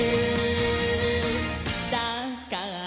「だから」